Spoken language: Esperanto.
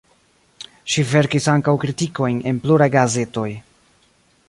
Ŝi verkis ankaŭ kritikojn en pluraj gazetoj.